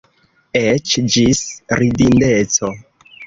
Eĉ ĝis ridindeco.